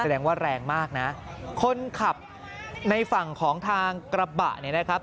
แสดงว่าแรงมากนะคนขับในฝั่งของทางกระบะเนี่ยนะครับ